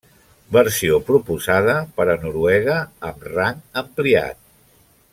Versió proposada per a Noruega amb rang ampliat.